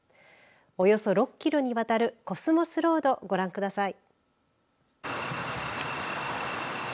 およそ６キロにわたるコスモスロード、ご覧ください。